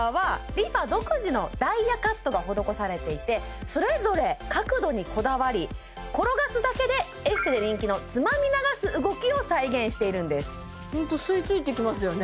このが施されていてそれぞれ角度にこだわり転がすだけでエステで人気のつまみ流す動きを再現しているんですホント吸い付いてきますよね